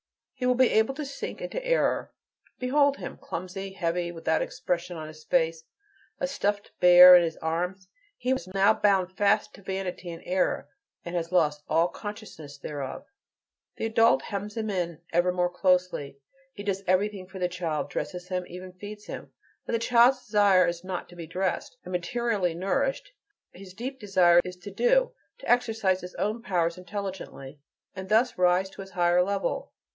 He will be able to sink into error; behold him, clumsy, heavy, without expression in his face, a stuffed bear in his arms! He is now bound fast to vanity and error, and has lost all consciousness thereof. The adult hems him in ever more closely: he does everything for the child, dresses him, even feeds him. But the child's desire is not to be dressed and materially nourished: his deep desire is to "do," to exercise his own powers intelligently, and thus to rise to his higher level.